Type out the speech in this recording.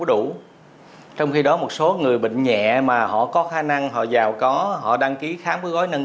đủ trong khi đó một số người bệnh nhẹ mà họ có khả năng họ giàu có họ đăng ký khám với gói nâng